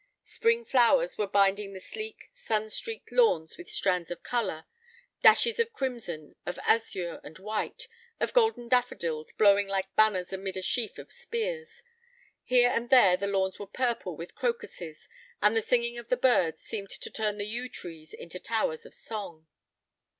Spring flowers were binding the sleek, sun streaked lawns with strands of color, dashes of crimson, of azure, and white, of golden daffodils blowing like banners amid a sheaf of spears. Here and there the lawns were purple with crocuses, and the singing of the birds seemed to turn the yew trees into towers of song.